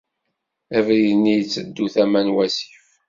Abrid-nni yetteddu tama n wasif.